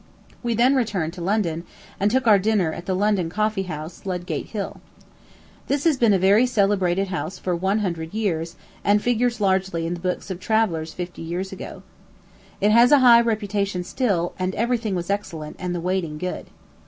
We then returned to London, and took our dinner at the London Coffee House, Ludgate Hill. This has been a very celebrated house for one hundred years, and figures largely in the books of travellers fifty years ago. It has a high reputation still, and every thing was excellent, and the waiting good.